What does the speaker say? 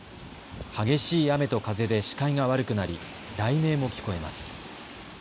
激しい雨と風で視界が悪くなり雷鳴も聞こえます。